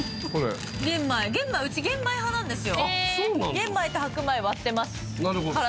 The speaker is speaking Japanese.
玄米と白米割ってます。